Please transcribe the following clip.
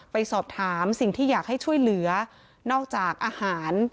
ไปสอบถามสิ่งที่อยากให้ช่วยเหลือนอกจากอาหาร